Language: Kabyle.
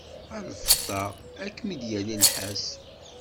A lfeṭṭa, ad kem-id-yali nnḥas.